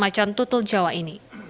macan tutul jawa ini